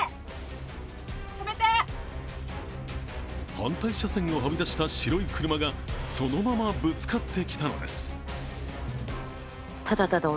反対車線をはみ出した白い車がそのままぶつかってきたのです。